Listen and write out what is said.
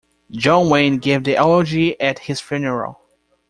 John Wayne gave the eulogy at his funeral.